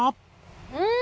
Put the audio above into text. うん！